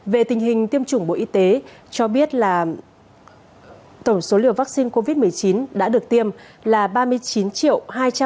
về tình hình tiêm chủng bộ y tế cho biết là tổ số liều vaccine covid một mươi chín đã được tiêm là ba mươi chín hai trăm ba mươi hai bảy trăm bảy mươi hai liều